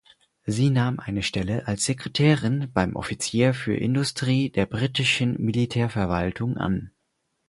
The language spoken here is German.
Sie nahm eine Stelle als Sekretärin beim Offizier für Industrie der britischen Militärverwaltung an.